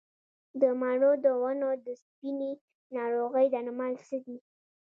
د مڼو د ونو د سپینې ناروغۍ درمل څه دي؟